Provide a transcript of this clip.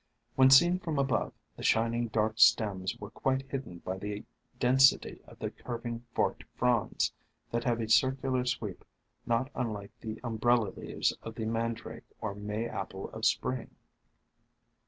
When seen from above, the shining dark stems were quite hidden by the density of the curving forked fronds, that have a circular sweep not un like the umbrella leaves of the Mandrake or May Apple of Spring.